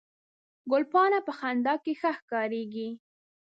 ګلپاڼه په خندا کې ښه ښکارېږي